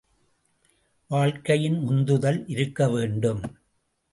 வாழ்க்கையில் உந்துதல் இருக்க வேண்டும்.